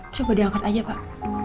coba diangkat aja pak